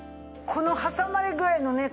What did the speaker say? この挟まれ具合のね